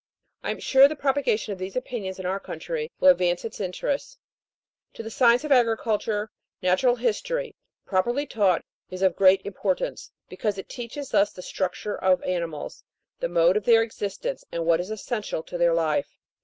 I am sure the propagation of these opinions in our country will advance its interests. To the science of agriculture, natural history, properly taught, is of great importance, because it teaches us the structure of animals, the mode of their existence, and what is essential to their life.